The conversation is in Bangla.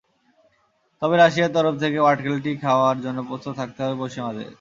তবে রাশিয়ার তরফ থেকে পাটকেলটি খাওয়ার জন্য প্রস্তুত থাকতে হবে পশ্চিমাদের।